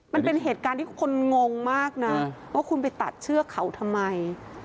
มันเป็นเหตุการณ์ที่คนงงมากนะว่าคุณไปตัดเชือกเขาทำไม